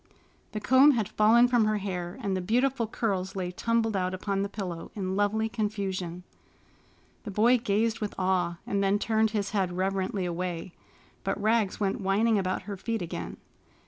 The comb had fallen from her hair, and the beautiful curls lay tumbled out upon the pillow in lovely confusion. The boy gazed with awe, and then turned his head reverently away. But Rags went whining about her feet again.